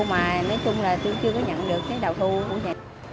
ngoài nói chung là tôi chưa có nhận được cái đầu thu của nhà